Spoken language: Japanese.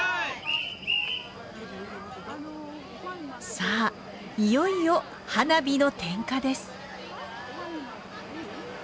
さあいよいよ花火の点火です。